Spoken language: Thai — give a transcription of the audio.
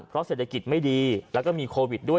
เพราะเศรษฐกิจไม่ดีแล้วก็มีโควิดด้วย